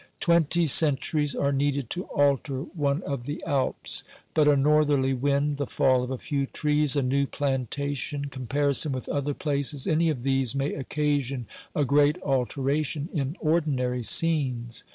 Twenty centuries are needed to alter one of the Alps ; but a northerly wind, the fall of a few trees, a new plantation, comparison with other places, any of these may occasion a great alteration in ordinary scenes.